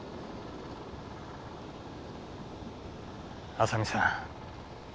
浅見さん。